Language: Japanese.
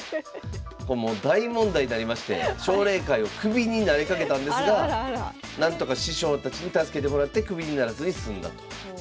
これもう大問題になりまして奨励会をクビになりかけたんですがなんとか師匠たちに助けてもらってクビにならずに済んだと。